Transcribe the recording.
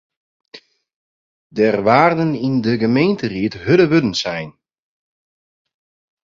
Der waarden yn de gemeenteried hurde wurden sein.